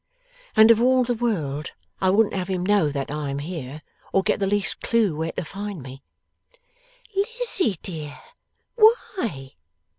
And of all the world I wouldn't have him know that I am here, or get the least clue where to find me.' 'Lizzie, dear! Why?